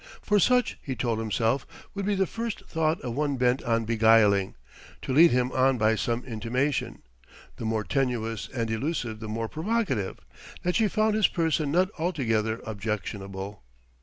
For such, he told himself, would be the first thought of one bent on beguiling to lead him on by some intimation, the more tenuous and elusive the more provocative, that she found his person not altogether objectionable.